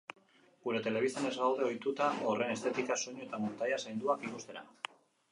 Gure telebistan ez gaude ohituta horren estetika, soinu eta muntaia zainduak ikustera.